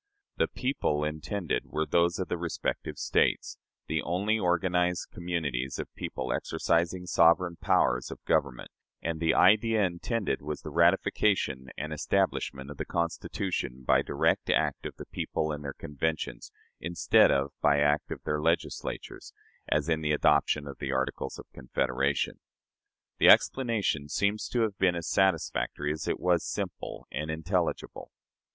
The "people" intended were those of the respective States the only organized communities of people exercising sovereign powers of government; and the idea intended was the ratification and "establishment" of the Constitution by direct act of the people in their conventions, instead of by act of their Legislatures, as in the adoption of the Articles of Confederation. The explanation seems to have been as satisfactory as it was simple and intelligible.